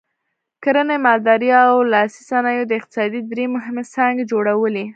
کرنې، مالدارۍ او لاسي صنایعو د اقتصاد درې مهمې څانګې جوړولې.